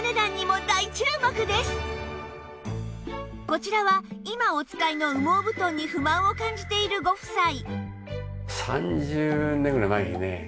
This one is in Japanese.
こちらは今お使いの羽毛布団に不満を感じているご夫妻